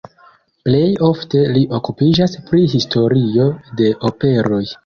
Plej ofte li okupiĝas pri historio de operoj.